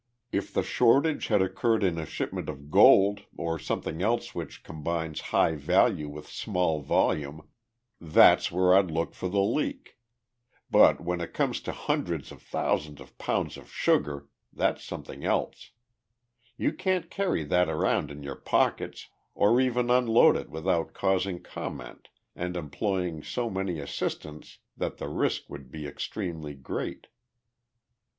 If the shortage had occurred in a shipment of gold or something else which combines high value with small volume, that's where I'd look for the leak. But when it comes to hundreds of thousands of pounds of sugar that's something else. You can't carry that around in your pockets or even unload it without causing comment and employing so many assistants that the risk would be extremely great.